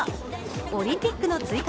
オリンピックの追加